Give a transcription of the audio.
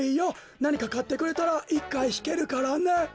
なにかかってくれたら１かいひけるからね。